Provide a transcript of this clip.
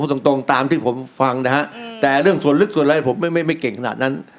ตรงตรงตามที่ผมฟังนะฮะแต่เรื่องส่วนลึกส่วนอะไรผมไม่ไม่เก่งขนาดนั้น